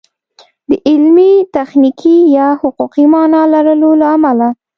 د علمي، تخنیکي یا حقوقي مانا لرلو له امله